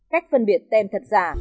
cách phân biệt tem thật giả